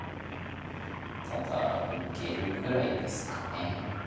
ただ受けるぐらいですか。